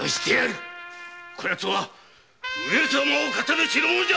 こやつは上様をカタる痴れ者じゃ！